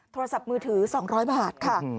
โทรศัพท์มือถือ๒๐๐บาทค่ะ